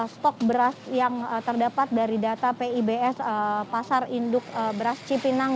stok beras yang terdapat dari data pibs pasar induk beras cipinang